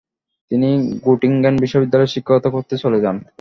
তিনি গ্যোটিঙেন বিশ্ববিদ্যালয়ে শিক্ষকতা করতে চলে যান।